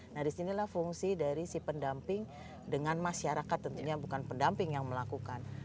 nah disinilah fungsi dari si pendamping dengan masyarakat tentunya bukan pendamping yang melakukan